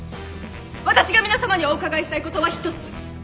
私が皆さまにお伺いしたいことは１つ